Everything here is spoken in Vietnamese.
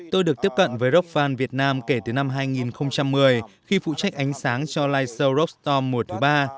tôi được tiếp cận với rock fan việt nam kể từ năm hai nghìn một mươi khi phụ trách ánh sáng cho live show rockstorm mùa thứ ba